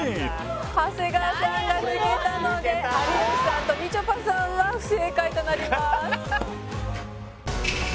長谷川さんが抜けたので有吉さんとみちょぱさんは不正解となります。